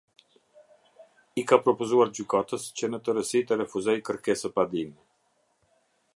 I ka propozuar gjykatës që në tërësi të refuzoj kërkesëpadinë.